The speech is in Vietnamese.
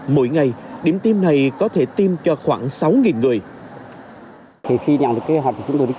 mỗi ngày điểm tiêm này có thể tiêm cho khoảng sáu người